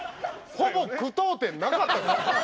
ほぼ句読点なかったですよ。